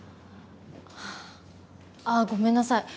ああごめんなさい